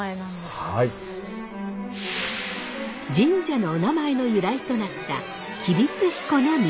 神社のおなまえの由来となった吉備津彦命。